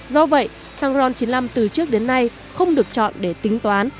do vậy xăng ron chín mươi năm từ trước đến nay không được chọn để tính toán